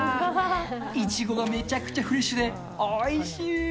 イチゴがめちゃくちゃフレッシュで、おいしい！